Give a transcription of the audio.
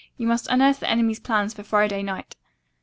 You must unearth the enemy's plans for Friday night."